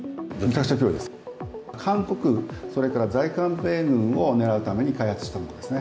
官、それから在韓米軍を狙うために開発したものですね。